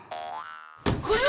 これは！